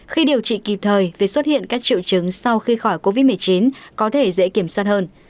khi điều trị kịp thời vì xuất hiện các triệu chứng sau khi khỏi covid một mươi chín có thể dễ kiểm soát hơn